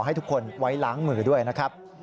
ให้ทุกคนไว้ล้างมือด้วยนะครับ